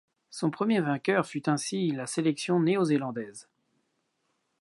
Son premier vainqueur fut ainsi la sélection néo-zélandaise.